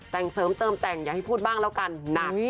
แต่งเสริมเติมแต่งอย่าให้พูดบ้างแล้วกันหนัก